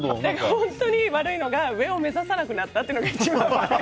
本当に悪いのが上を目指さなくなるっていう。